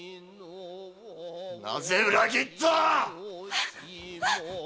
〔なぜ裏切った⁉〕